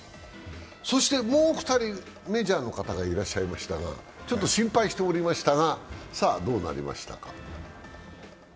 そしてもう２人、メジャーの方がいらっしゃいましたが、ちょっと心配しておりましたが、さあ、どうなりましたか。